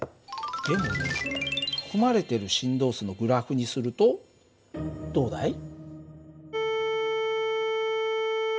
でもね含まれてる振動数のグラフにするとどうだい？